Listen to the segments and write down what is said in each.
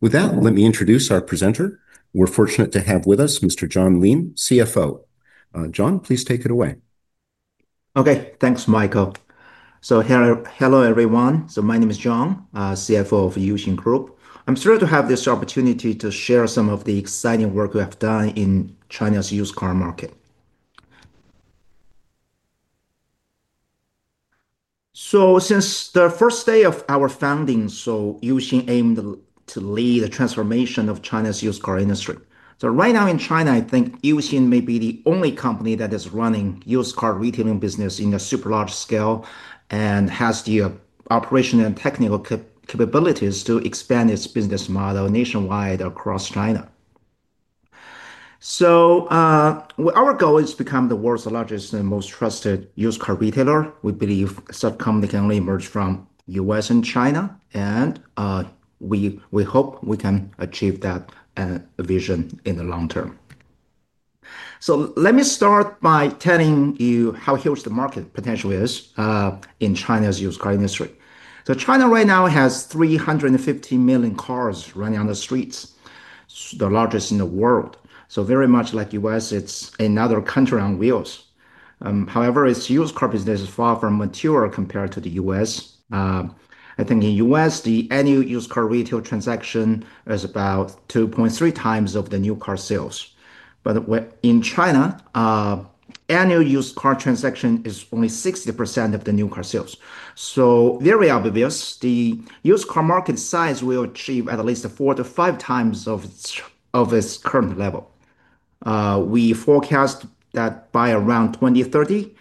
With that, let me introduce our presenter. We're fortunate to have with us Mr. John Lin, CFO. John, please take it away. Okay, thanks, Michael. Hello everyone. My name is John Lin, CFO of Uxin Limited. I'm thrilled to have this opportunity to share some of the exciting work we have done in China's used car market. Since the first day of our founding, Uxin aimed to lead the transformation of China's used car industry. Right now in China, I think Uxin may be the only company that is running the used car retailing business in a super large scale and has the operational and technical capabilities to expand its business model nationwide across China. Our goal is to become the world's largest and most trusted used car retailer. We believe such a company can only emerge from the U.S. and China, and we hope we can achieve that vision in the long term. Let me start by telling you how huge the market potential is in China's used car industry. China right now has 350 million cars running on the streets, the largest in the world. Very much like the U.S., it's another country on wheels. However, its used car business is far from mature compared to the U.S. I think in the U.S., the annual used car retail transaction is about 2.3 times the new car sales. In China, the annual used car transaction is only 60% of the new car sales. It is very obvious, the used car market size will achieve at least four to five times its current level. We forecast that by around 2030,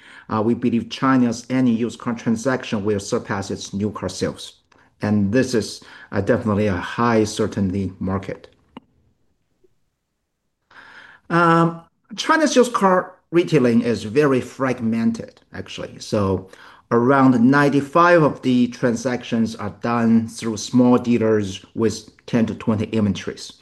we believe China's annual used car transaction will surpass its new car sales. This is definitely a high certainty market. China's used car retailing is very fragmented, actually. Around 95% of the transactions are done through small dealers with 10 to 20 inventories.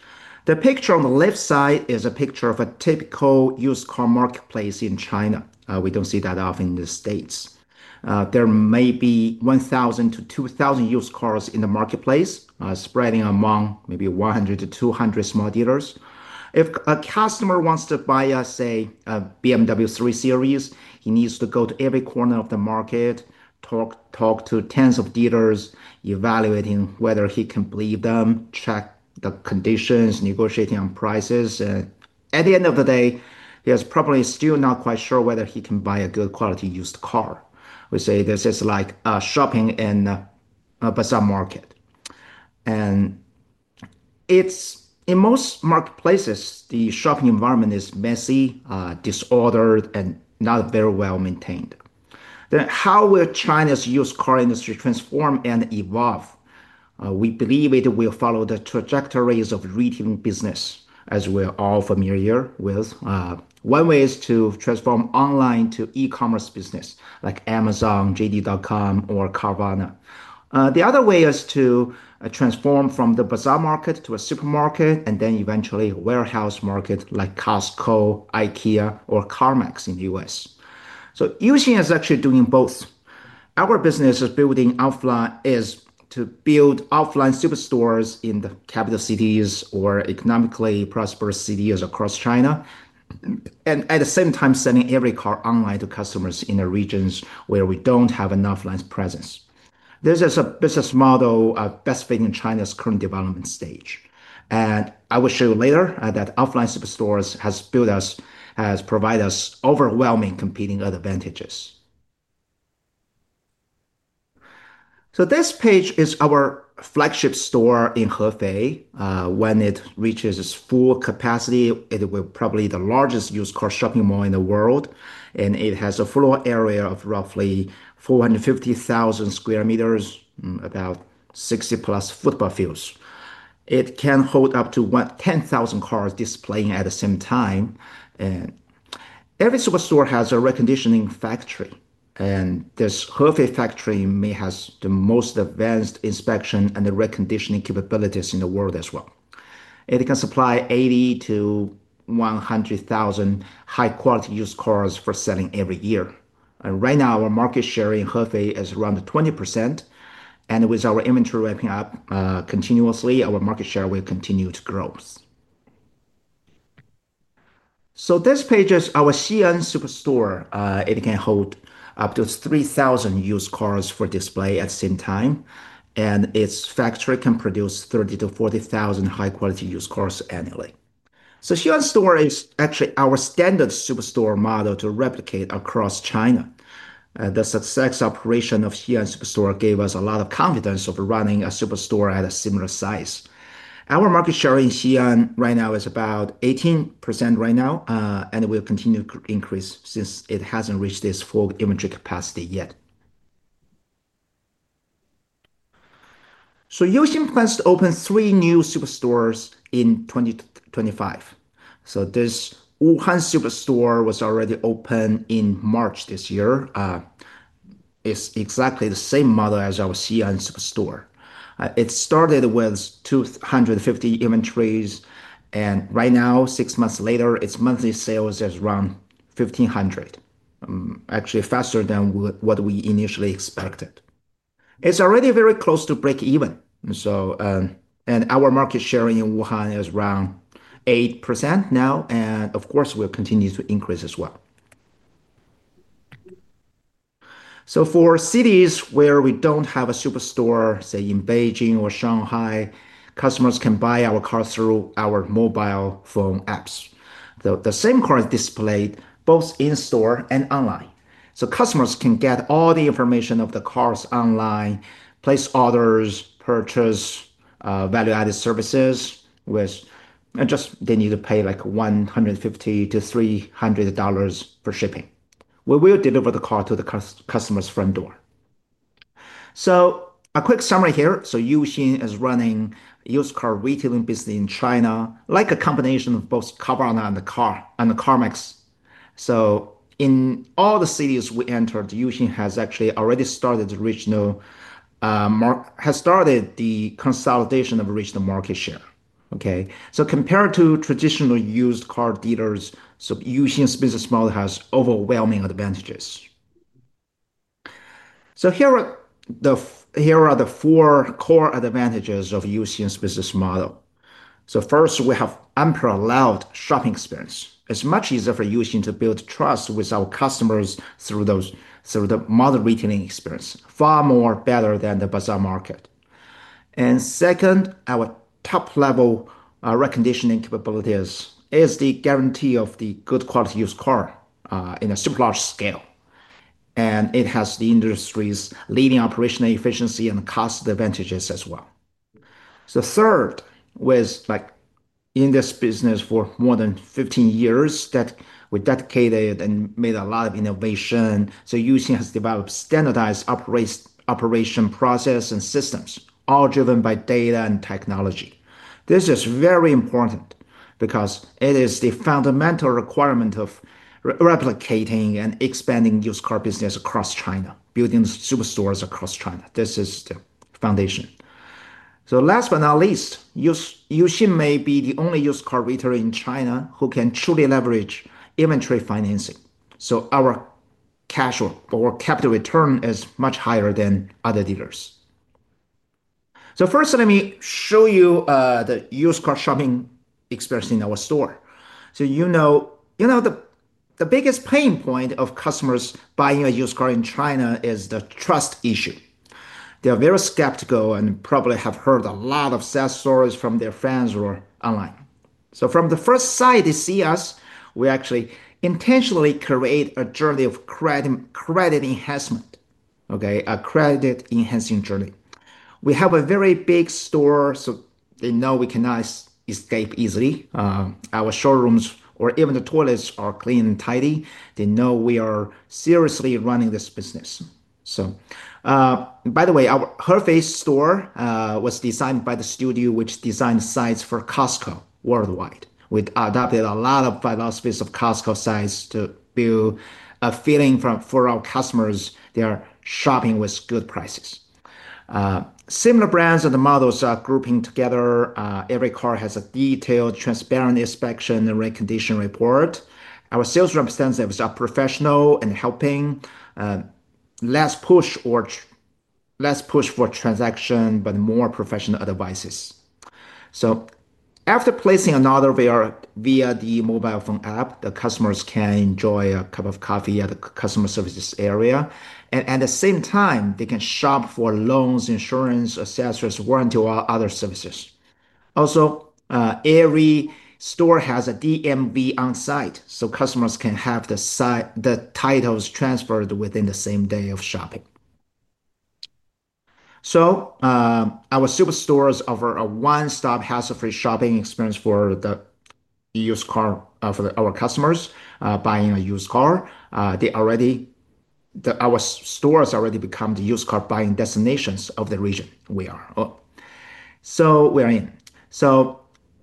The picture on the left side is a picture of a typical used car marketplace in China. We don't see that often in the States. There may be 1,000 to 2,000 used cars in the marketplace, spreading among maybe 100 to 200 small dealers. If a customer wants to buy, say, a BMW 3 Series, he needs to go to every corner of the market, talk to tens of dealers, evaluating whether he can believe them, check the conditions, negotiating on prices. At the end of the day, he's probably still not quite sure whether he can buy a good quality used car. We say this is like shopping in a bazaar market. In most marketplaces, the shopping environment is messy, disordered, and not very well maintained. How will China's used car industry transform and evolve? We believe it will follow the trajectories of retailing business, as we're all familiar with. One way is to transform online to e-commerce business, like Amazon, JD.com, or Carvana. The other way is to transform from the bazaar market to a supermarket, and then eventually a warehouse market, like Costco, IKEA, or CarMax in the U.S. Uxin is actually doing both. Our business is building offline to build offline superstores in the capital cities or economically prosperous cities across China, and at the same time, selling every car online to customers in the regions where we don't have an offline presence. This is a business model best fitting China's current development stage. I will show you later that offline superstores have provided us overwhelming competing advantages. This page is our flagship store in Hefei. When it reaches its full capacity, it will probably be the largest used car shopping mall in the world. It has a floor area of roughly 450,000 square meters, about 60 plus football fields. It can hold up to 10,000 cars displayed at the same time. Every superstore has a reconditioning factory, and this Hefei factory may have the most advanced inspection and reconditioning capabilities in the world as well. It can supply 80,000 to 100,000 high-quality used cars for selling every year. Right now, our market share in Hefei is around 20%. With our inventory ramping up continuously, our market share will continue to grow. This page is our Xi’an superstore. It can hold up to 3,000 used cars for display at the same time, and its factory can produce 30,000 to 40,000 high-quality used cars annually. The Xi’an store is actually our standard superstore model to replicate across China. The successful operation of the Xi’an superstore gave us a lot of confidence of running a superstore at a similar size. Our market share in Xi’an right now is about 18%, and it will continue to increase since it hasn't reached its full inventory capacity yet. Uxin plans to open three new superstores in 2025. The Wuhan superstore was already opened in March this year. It's exactly the same model as our Xi’an superstore. It started with 250 inventories, and right now, six months later, its monthly sales are around 1,500, actually faster than what we initially expected. It's already very close to break even. Our market share in Wuhan is around 8% now, and of course, it will continue to increase as well. For cities where we don't have a superstore, say in Beijing or Shanghai, customers can buy our cars through our mobile phone apps. The same car is displayed both in-store and online. Customers can get all the information of the cars online, place orders, purchase, value-added services, and they just need to pay like $150 to $300 for shipping. We will deliver the car to the customer's front door. A quick summary here. Uxin is running a used car retailing business in China, like a combination of both Carvana and CarMax. In all the cities we entered, Uxin has actually already started the consolidation of regional market share. Compared to traditional used car dealers, Uxin's business model has overwhelming advantages. Here are the four core advantages of Uxin's business model. First, we have unparalleled shopping experience. It's much easier for Uxin to build trust with our customers through the model retailing experience, far more better than the bazaar market. Second, our top-level reconditioning capabilities is the guarantee of the good quality used car in a super large scale. It has the industry's leading operational efficiency and cost advantages as well. Third, with like in this business for more than 15 years that we dedicated and made a lot of innovation, Uxin has developed standardized operation process and systems, all driven by data and technology. This is very important because it is the fundamental requirement of replicating and expanding used car business across China, building superstores across China. This is the foundation. Last but not least, Uxin may be the only used car retailer in China who can truly leverage inventory financing. Our cash or capital return is much higher than other dealers. First, let me show you the used car shopping experience in our store. You know the biggest pain point of customers buying a used car in China is the trust issue. They're very skeptical and probably have heard a lot of sad stories from their friends or online. From the first sight they see us, we actually intentionally create a journey of credit enhancement, a credit enhancing journey. We have a very big store, so they know we cannot escape easily. Our showrooms or even the toilets are clean and tidy. They know we are seriously running this business. By the way, our Hefei store was designed by the studio which designs sites for Costco worldwide. We adopted a lot of philosophies of Costco sites to build a feeling for our customers they are shopping with good prices. Similar brands and the models are grouping together. Every car has a detailed, transparent inspection and recondition report. Our sales representatives are professional and helping. Less push for transaction, but more professional advice. After placing an order via the mobile phone app, the customers can enjoy a cup of coffee at the customer services area. At the same time, they can shop for loans, insurance, accessories, warranty, or other services. Also, every store has a DMV on site, so customers can have the titles transferred within the same day of shopping. Our superstores offer a one-stop, hassle-free shopping experience for the used car for our customers buying a used car. Our stores already become the used car buying destinations of the region we are in.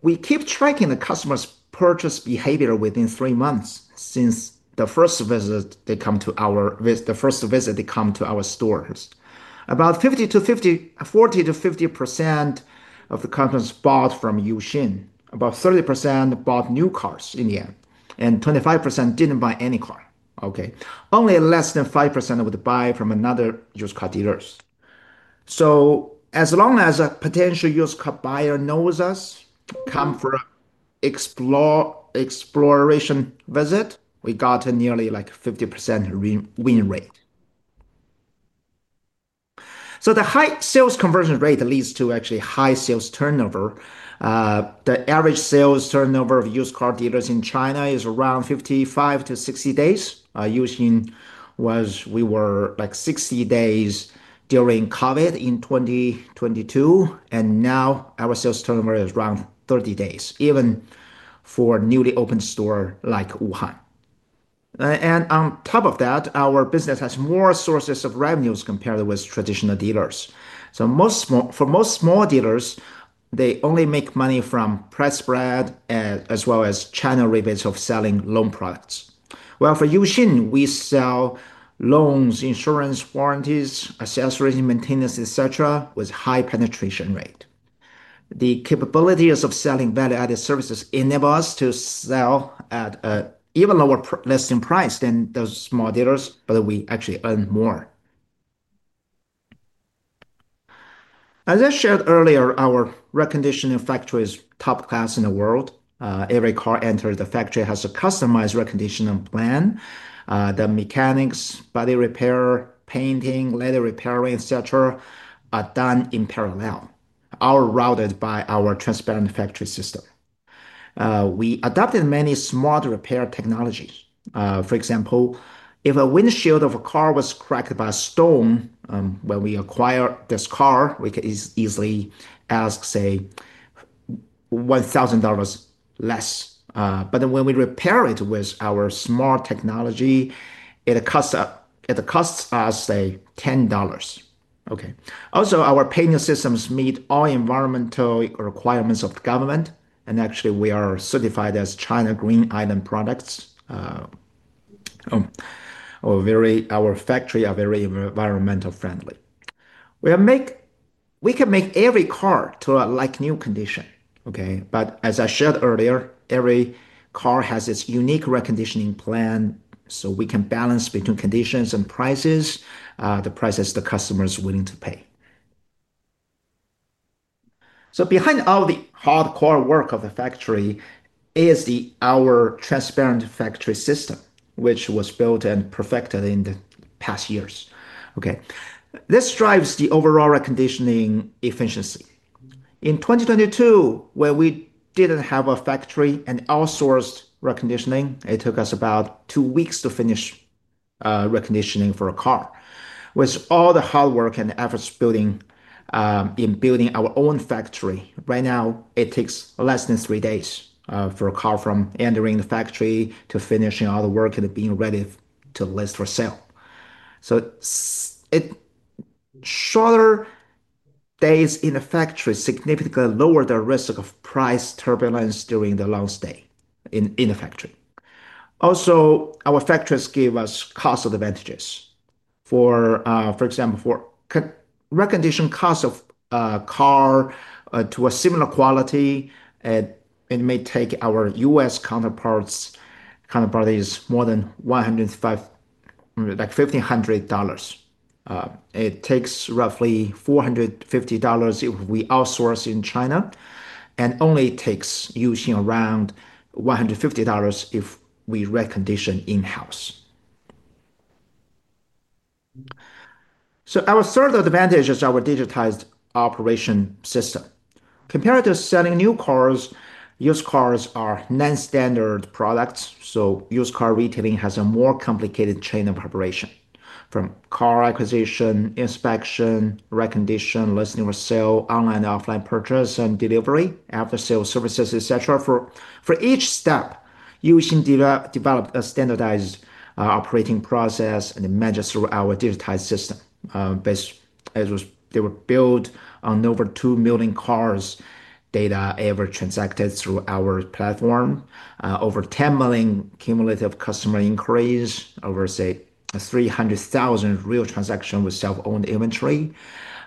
We keep tracking the customer's purchase behavior within three months since the first visit they come to our stores. About 40% to 50% of the customers bought from Uxin. About 30% bought new cars in the end. 25% didn't buy any car. Only less than 5% would buy from another used car dealer. As long as a potential used car buyer knows us, comes for an exploration visit, we got nearly like a 50% win rate. The high sales conversion rate leads to actually high sales turnover. The average sales turnover of used car dealers in China is around 55 to 60 days. Uxin was like 60 days during COVID in 2022. Now our sales turnover is around 30 days, even for a newly opened store like Wuhan. On top of that, our business has more sources of revenues compared with traditional dealers. For most small dealers, they only make money from press bread as well as China rebates of selling loan products. For Uxin, we sell loans, insurance, warranties, accessories, and maintenance, etc., with a high penetration rate. The capabilities of selling value-added services enable us to sell at an even lower listing price than those small dealers, but we actually earn more. As I shared earlier, our reconditioning factory is top class in the world. Every car entering the factory has a customized reconditioning plan. The mechanics, body repair, painting, ladder repairing, etc., are done in parallel, all routed by our transparent factory system. We adopted many smart repair technologies. For example, if a windshield of a car was cracked by a storm, when we acquire this car, we can easily ask, say, $1,000 less. When we repair it with our smart technology, it costs us, say, $10. Our payment systems meet all environmental requirements of the government. Actually, we are certified as China Green Island products. Our factory is very environmentally friendly. We can make every car to a like-new condition. As I shared earlier, every car has its unique reconditioning plan, so we can balance between conditions and prices, the prices the customer is willing to pay. Behind all the hardcore work of the factory is our transparent factory system, which was built and perfected in the past years. This drives the overall reconditioning efficiency. In 2022, when we didn't have a factory and outsourced reconditioning, it took us about two weeks to finish reconditioning for a car. With all the hard work and efforts in building our own factory, right now it takes less than three days for a car from entering the factory to finishing all the work and being ready to list for sale. Shorter days in the factory significantly lower the risk of price turbulence during the launch day in the factory. Our factories give us cost advantages. For example, for reconditioning costs of cars to a similar quality, it may take our U.S. counterparties more than $1,500. It takes roughly $450 if we outsource in China, and only takes Uxin around $150 if we recondition in-house. Our third advantage is our digitized operation system. Compared to selling new cars, used cars are non-standard products. Used car retailing has a more complicated chain of operation, from car acquisition, inspection, recondition, listing for sale, online and offline purchase and delivery, after-sale services, etc. For each step, Uxin developed a standardized operating process and managed through our digitized system. Based as they were built on over 2 million cars data ever transacted through our platform, over 10 million cumulative customer inquiries, over, say, 300,000 real transactions with self-owned inventory.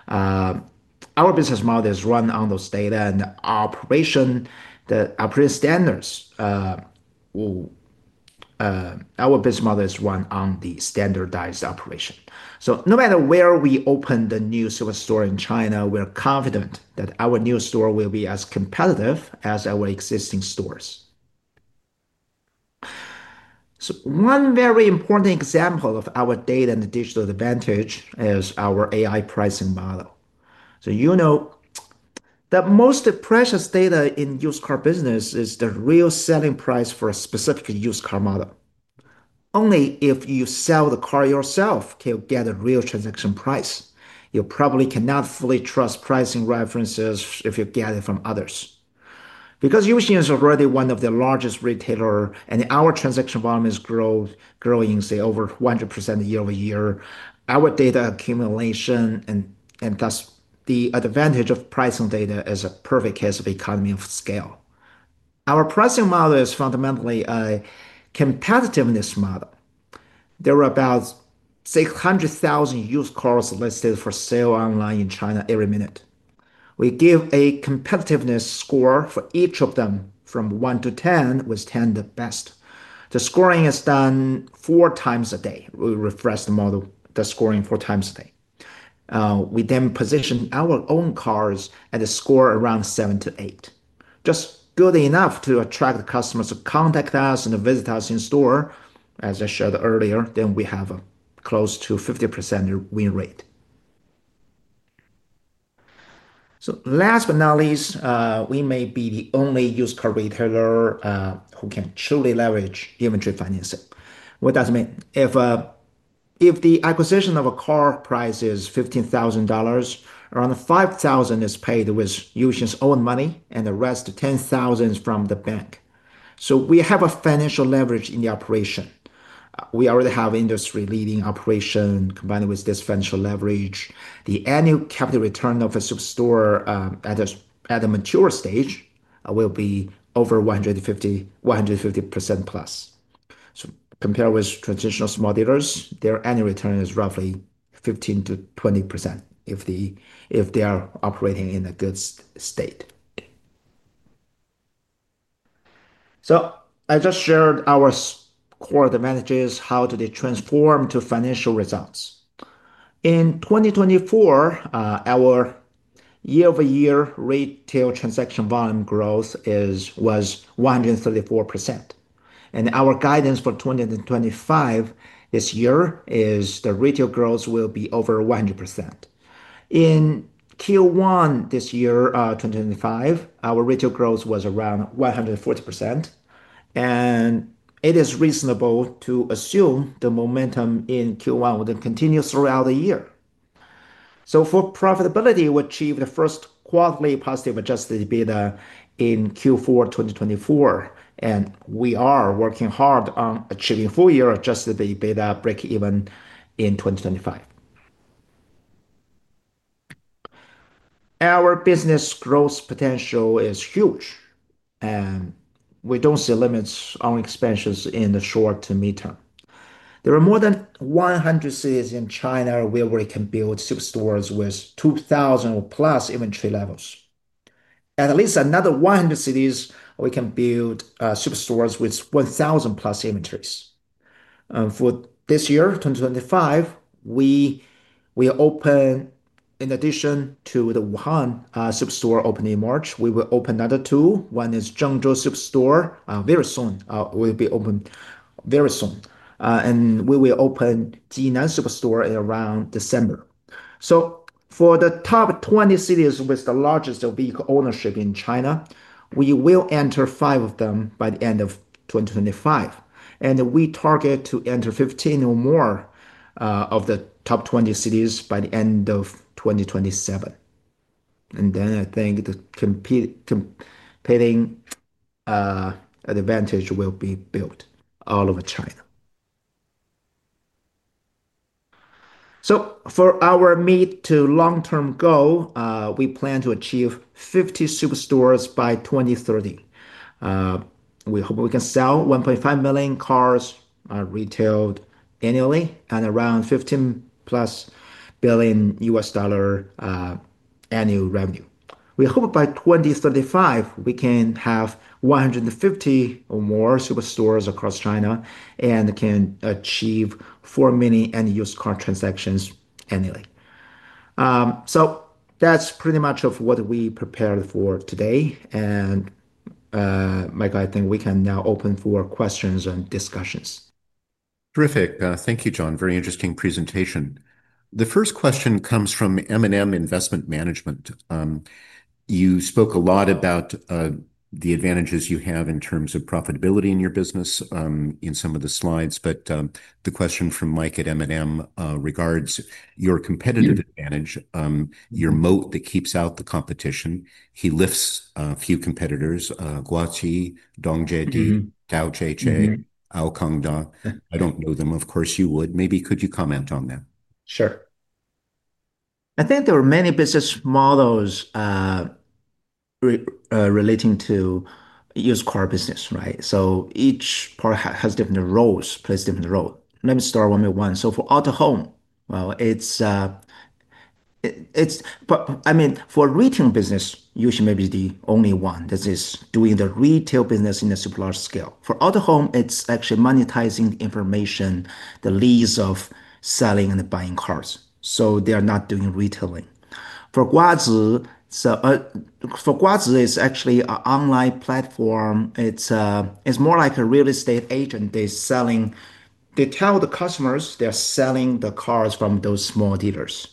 Our business model is run on those data and operation standards. Our business model is run on the standardized operation. No matter where we open the new superstore in China, we're confident that our new store will be as competitive as our existing stores. One very important example of our data and digital advantage is our AI pricing model. You know that most of the precious data in the used car business is the real selling price for a specific used car model. Only if you sell the car yourself can you get a real transaction price. You probably cannot fully trust pricing references if you get it from others. Because Uxin is already one of the largest retailers, and our transaction volume is growing, say, over 100% year over year, our data accumulation and thus the advantage of pricing data is a perfect case of economy of scale. Our pricing model is fundamentally a competitiveness model. There are about 600,000 used cars listed for sale online in China every minute. We give a competitiveness score for each of them from 1 to 10, with 10 the best. The scoring is done four times a day. We refresh the model, the scoring four times a day. We then position our own cars at a score around 7 to 8, just building enough to attract the customers to contact us and visit us in store. As I shared earlier, we have a close to 50% win rate. Last but not least, we may be the only used car retailer who can truly leverage inventory financing. What does it mean? If the acquisition of a car price is $15,000, around $5,000 is paid with Uxin's own money, and the rest $10,000 from the bank. We have a financial leverage in the operation. We already have industry-leading operation combined with this financial leverage. The annual capital return of a superstore at a mature stage will be over 150% plus. Compared with traditional small dealers, their annual return is roughly 15% to 20% if they are operating in a good state. I just shared our core advantages. How do they transform to financial results? In 2024, our year-over-year retail transaction volume growth was 134%. Our guidance for 2025 this year is the retail growth will be over 100%. In Q1 this year, 2025, our retail growth was around 140%. It is reasonable to assume the momentum in Q1 will then continue throughout the year. For profitability, we achieved the first quarterly positive adjusted EBITDA in Q4 2024. We are working hard on achieving full-year adjusted EBITDA break even in 2025. Our business growth potential is huge. We don't see limits on expansions in the short to mid-term. There are more than 100 cities in China where we can build superstores with 2,000 or plus inventory levels. At least another 100 cities, we can build superstores with 1,000 plus inventories. For this year, 2025, we will open, in addition to the Wuhan superstore opening in March, we will open another two. One is Zhengzhou superstore. Very soon, we'll be open very soon. We will open Jinan superstore in around December. For the top 20 cities with the largest vehicle ownership in China, we will enter five of them by the end of 2025. We target to enter 15 or more of the top 20 cities by the end of 2027. I think the competing advantage will be built all over China. For our mid to long-term goal, we plan to achieve 50 superstores by 2030. We hope we can sell 1.5 million cars retailed annually and around $15 billion annual revenue. We hope by 2035, we can have 150 or more superstores across China and can achieve 4 million annual used car transactions annually. That's pretty much of what we prepared for today. Michael, I think we can now open for questions and discussions. Terrific. Thank you, John. Very interesting presentation. The first question comes from M&M Investment Management. You spoke a lot about the advantages you have in terms of profitability in your business in some of the slides. The question from Mike at M&M regards your competitive advantage, your moat that keeps out the competition. He lists a few competitors: Guazi, Dongjiaodi, Tao Jieche, Aokangda. I don't know them. Of course, you would. Maybe could you comment on that? Sure. I think there are many business models relating to used car business, right? Each part has different roles, plays different roles. Let me start one by one. For AutoHome, I mean, for retailing business, Uxin may be the only one that is doing the retail business in a super large scale. For AutoHome, it's actually monetizing information, the leads of selling and buying cars. They are not doing retailing. For Guazi, it's actually an online platform. It's more like a real estate agent. They selling, they tell the customers they're selling the cars from those small dealers.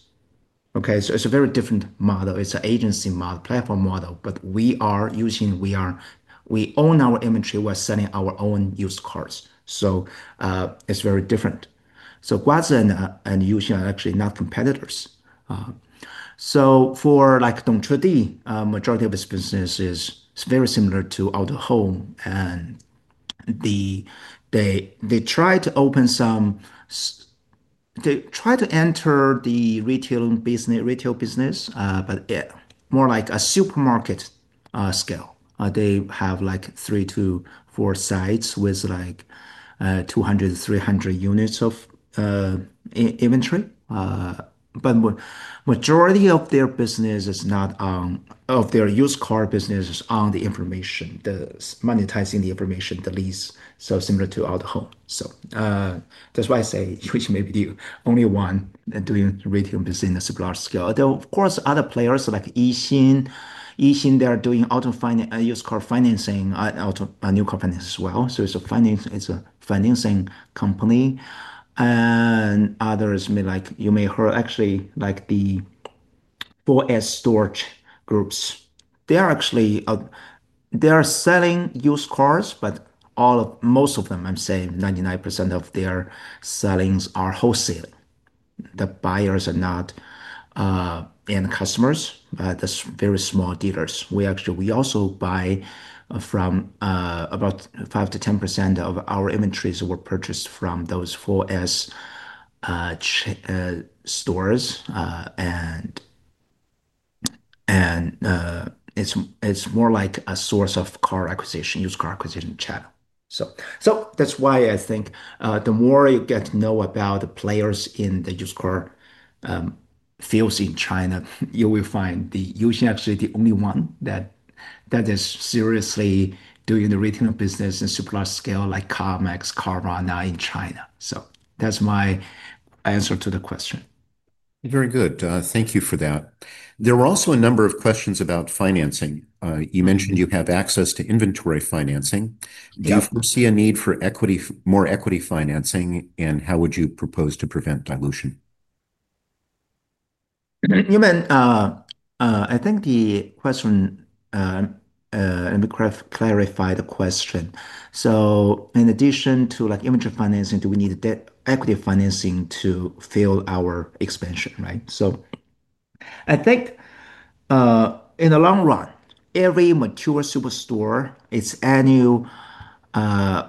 It's a very different model. It's an agency model, platform model. We are Uxin. We own our inventory. We're selling our own used cars. It's very different. Guazi and Uxin are actually not competitors. For Dongjiaodi, the majority of his business is very similar to AutoHome. They try to open some, they try to enter the retail business, but more like a supermarket scale. They have like three to four sites with like 200 to 300 units of inventory. The majority of their business is not on, of their used car business is on the information, monetizing the information, the leads. Similar to AutoHome. That's why I say Uxin may be the only one doing retail business in a super large scale. Of course, other players like Yixin, they're doing used car financing and new car financing as well. It's a financing company. Others, you may hear, actually, like the 4S Storage Groups. They are actually, they are selling used cars, but most of them, I'm saying 99% of their sellings are wholesale. The buyers are not end customers. That's very small dealers. We actually, we also buy from about 5% to 10% of our inventories were purchased from those 4S stores. It's more like a source of car acquisition, used car acquisition channel. The more you get to know about the players in the used car fields in China, you will find Uxin is actually the only one that is seriously doing the retail business in a super large scale like CarMax, Carvana in China. That's my answer to the question. Very good. Thank you for that. There were also a number of questions about financing. You mentioned you have access to inventory financing. Do you foresee a need for more equity financing? How would you propose to prevent dilution? I think the question, let me clarify the question. In addition to inventory financing, do we need equity financing to fill our expansion, right? I think in the long run, every mature superstore, its annual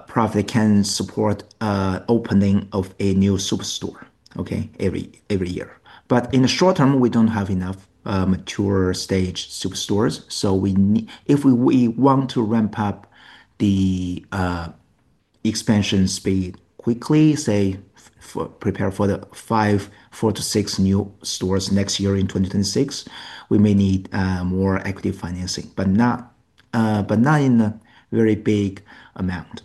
profit can support the opening of a new superstore every year. In the short term, we don't have enough mature stage superstores. If we want to ramp up the expansion speed quickly, say prepare for the five, four to six new stores next year in 2026, we may need more equity financing, but not in a very big amount.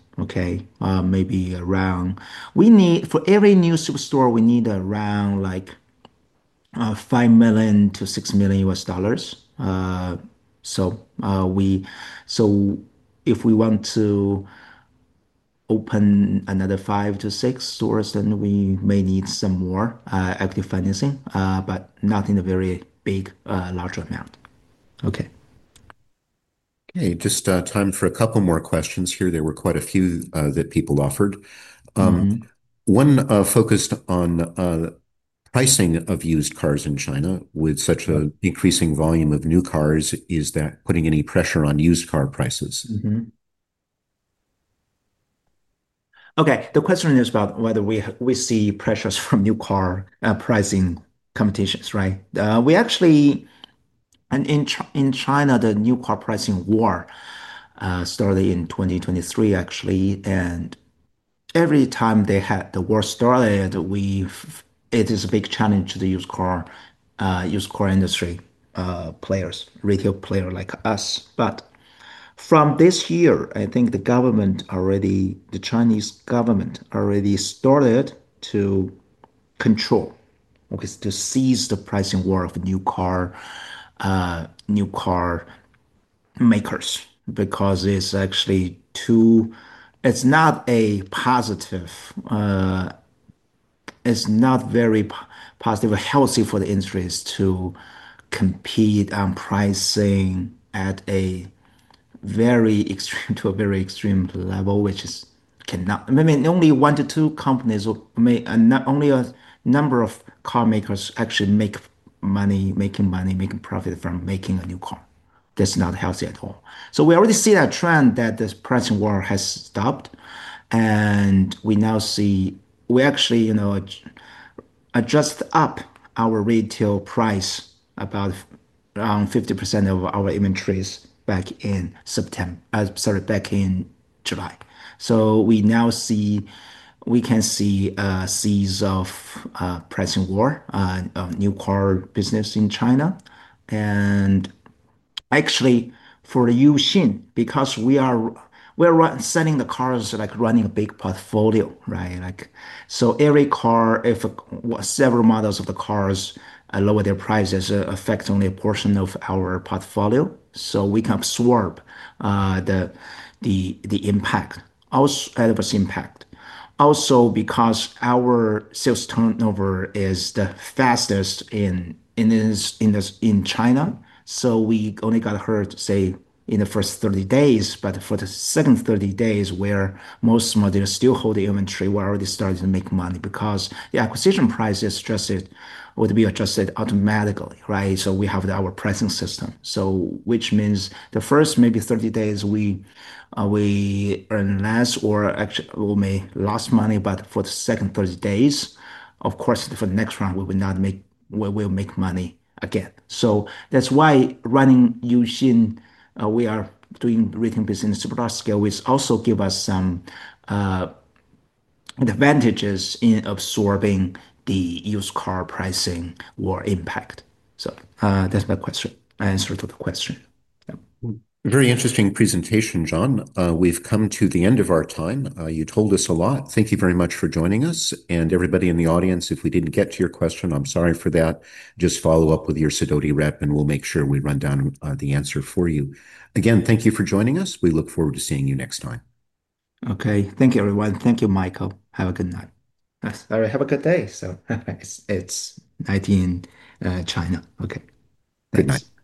Maybe around, we need for every new superstore, we need around $5 million to $6 million US dollars. If we want to open another five to six stores, then we may need some more equity financing, but not in a very big, large amount. Okay. Just time for a couple more questions here. There were quite a few that people offered. One focused on pricing of used cars in China. With such an increasing volume of new cars, is that putting any pressure on used car prices? Okay, the question is about whether we see pressures from new car pricing competitions, right? We actually, in China, the new car pricing war started in 2023, actually. Every time the war started, it is a big challenge to the used car industry players, retail players like us. From this year, I think the Chinese government already started to control, to seize the pricing war of new car makers because it's actually too, it's not a positive, it's not very positive or healthy for the industries to compete on pricing at a very extreme, to a very extreme level, which is, I mean, only one to two companies or not only a number of car makers actually make money, making money, making profit from making a new car. That's not healthy at all. We already see that trend that this pricing war has stopped. We now see, we actually, you know, adjust up our retail price about around 50% of our inventories back in July. We now see, we can see a seize of pricing war on new car business in China. Actually, for Uxin Limited, because we are selling the cars like running a big portfolio, right? Like, so every car, if several models of the cars lower their prices, affect only a portion of our portfolio. We can absorb the impact, all of us impact. Also, because our sales turnover is the fastest in China, we only got hurt, say, in the first 30 days. For the second 30 days, where most of the models still hold the inventory, we're already starting to make money because the acquisition price is adjusted, would be adjusted automatically, right? We have our pricing system. Which means the first maybe 30 days, we earn less or actually may lose money. For the second 30 days, of course, the next round we will make money again. That's why running Uxin Limited, we are doing retailing business in a super large scale, which also gives us some advantages in absorbing the used car pricing war impact. That's my question. I answered the question. Very interesting presentation, John. We've come to the end of our time. You told us a lot. Thank you very much for joining us. Everybody in the audience, if we didn't get to your question, I'm sorry for that. Just follow up with your Uxin rep and we'll make sure we run down the answer for you. Again, thank you for joining us. We look forward to seeing you next time. Okay, thank you, everyone. Thank you, Michael. Have a good night. Sorry, have a good day. It's night in China. Okay, good night.